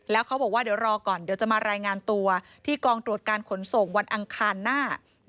แล้วเขาบอกว่าเดี๋ยวรอก่อนเดี๋ยวจะมารายงานตัวที่กองตรวจการขนส่งวันอังคารหน้า